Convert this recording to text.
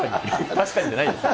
確かにじゃないですよ。